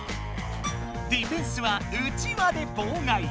ディフェンスはうちわでぼうがい。